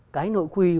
cái nội quy